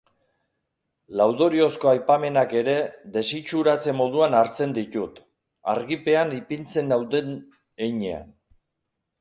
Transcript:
Laudoriozko aipamenak ere desitxuratze moduan hartzen ditut, argipean ipintzen nauten heinean.